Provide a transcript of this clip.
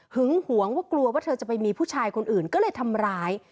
หวงว่ากลัวว่าเธอจะไปมีผู้ชายคนอื่นก็เลยทำร้าย